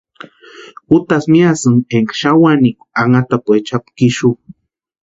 Utasïni miasïnka énka xani wanikwa anhatapuecha japka ixu.